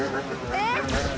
えっ？